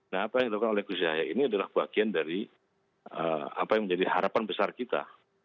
nah apa yang dilakukan oleh gus yahya ini adalah bagian dari apa yang menjadi harapan besar kita